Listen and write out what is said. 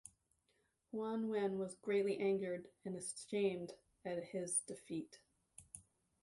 Huan Wen was greatly angered and ashamed at his defeat.